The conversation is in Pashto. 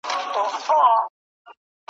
د يوسف عليه السلام وروڼو وويل اې زموږ پلاره.